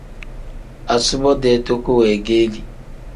Asubo-dee toko weegeeli.